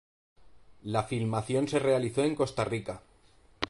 La filmación se realizó en Costa Rica.